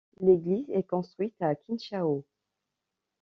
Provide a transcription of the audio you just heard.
L'église est construite à Quinchao.